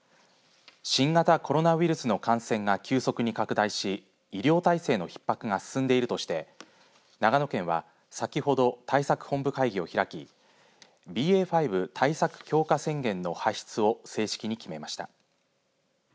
新型コロナウイルスの感染が急速に拡大し医療体制のひっ迫が進んでいるとして長野県は先ほど対策本部会議を開きＢＡ．５対策強化宣言の発出を正式に決めました。